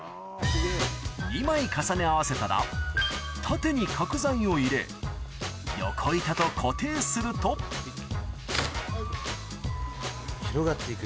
２枚重ね合わせたら縦に角材を入れ横板と固定すると広がっていく。